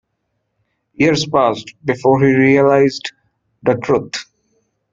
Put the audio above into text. Years passed before he realized the truth.